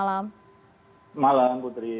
selamat malam putri